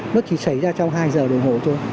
nó chỉ xảy ra trong hai giờ đồng hồ thôi